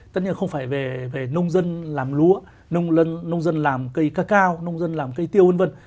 tất nhiên không phải về nông dân làm lúa nông dân làm cây cacao nông dân làm cây tiêu v v